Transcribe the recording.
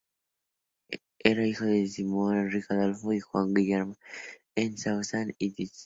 Era el hijo de Simón Enrique Adolfo y Juana Guillermina de Nassau-Idstein.